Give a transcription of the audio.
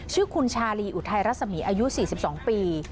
ชื่อคุณชาลีอุทัยรัศมีอายุ๔๒ปี